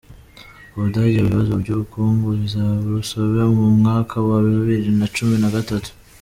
U Budage Ibibazo by’ubukungu bizaba urusobe mu mwaka wa bibiri nacumi nagatatu